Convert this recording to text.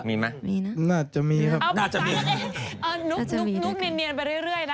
มีมั้ยมีนะน่าจะมีครับน่าจะมีเอานุกนุกเนียนเนียนไปเรื่อยเรื่อยนะคะ